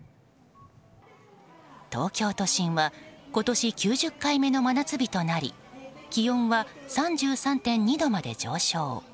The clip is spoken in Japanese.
東京都心は今年９０回目の真夏日となり気温は３３．２度まで上昇。